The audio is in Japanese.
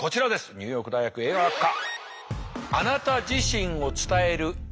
ニューヨーク大学映画学科。